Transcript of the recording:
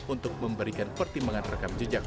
untuk memberikan pertimbangan rekam jejak